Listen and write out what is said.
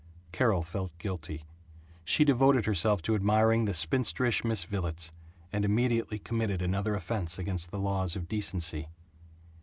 Carol felt guilty. She devoted herself to admiring the spinsterish Miss Villets and immediately committed another offense against the laws of decency.